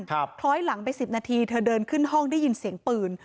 คล้อยหลังไปสิบนาทีเธอเดินขึ้นห้องได้ยินเสียงปืน